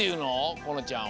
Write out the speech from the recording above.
このちゃんは。